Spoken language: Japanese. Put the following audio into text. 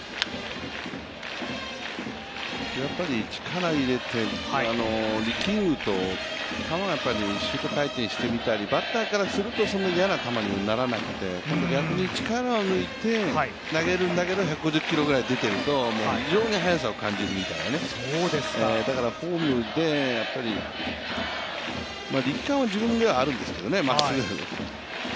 やっぱり力入れて、力むと球がシュート回転してみたりバッターからするとそんな嫌な球にもならなくて、逆に力を抜いて投げるんだけど１５０キロぐらい出ていると異様に速さを感じるみたいな、だからフォームで力感は自分ではあるんですけどね。